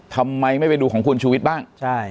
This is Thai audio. ทำไมไม่ไปดูของคุณชูวิทย์บ้าง